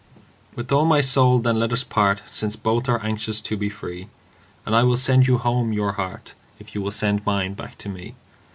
TO ....... With all my soul, then, let us part, Since both are anxious to be free; And I will sand you home your heart, If you will send mine back to me.